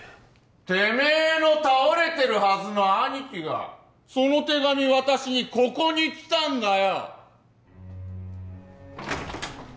てめえの倒れてるはずの兄貴がその手紙渡しにここに来たんだよ！